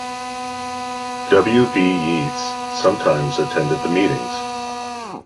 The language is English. W. B. Yeats sometimes attended the meetings.